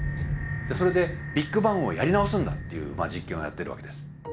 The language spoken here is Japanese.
それでビッグバンをやり直すんだっていう実験をやってるわけです。